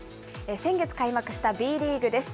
先月開幕したＢリーグです。